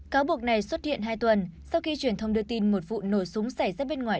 cáo buộc này xuất hiện hai tuần sau khi truyền thông đưa tin một vụ nổ súng xảy ra bên ngoài